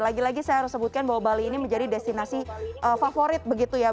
lagi lagi saya harus sebutkan bahwa bali ini menjadi destinasi favorit begitu ya